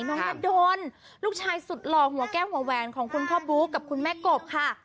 ณดนลูกชายสุดหล่อหัวแก้วหัวแหวนของคุณพ่อบู๊กับคุณแม่กบค่ะ